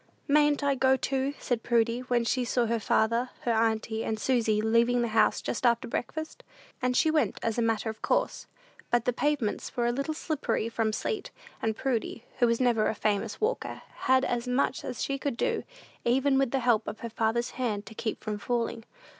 "Mayn't I go, too?" said Prudy, when she saw her father, her auntie, and Susy leaving the house just after breakfast. And she went, as a matter of course; but the pavements were a little slippery from sleet; and Prudy, who was never a famous walker, had as much as she could do, even with the help of her father's hand, to keep from falling.